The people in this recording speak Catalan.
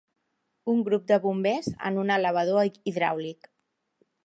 Un grup de bombers en un elevador hidràulic.